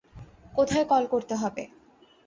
কোথায় কল করতে হবে?